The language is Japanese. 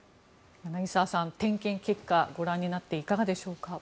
柳澤さん点検結果をご覧になっていかがでしょうか。